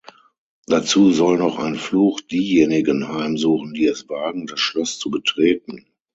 Dazu soll noch ein Fluch diejenigen heimsuchen, die es wagen, das Schloss zu betreten.